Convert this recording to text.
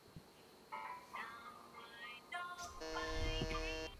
According to Saussure, language is not a nomenclature.